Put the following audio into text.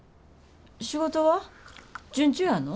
仕事は順調やの？